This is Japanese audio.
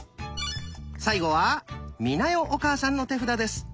最後は美奈代お母さんの手札です。